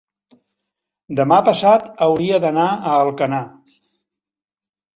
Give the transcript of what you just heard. demà passat hauria d'anar a Alcanar.